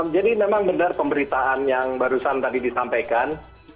jadi memang benar pemberitaan yang barusan tadi disampaikan